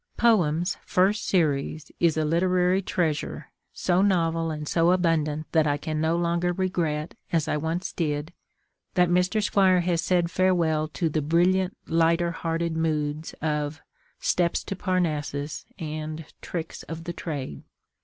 Poems: First Series, is literary treasure so novel and so abundant that I can no longer regret, as I once did, that Mr. Squire has said farewell to the brilliant lighter hearted moods of Steps to Parnassus and _Tricks of the Trade.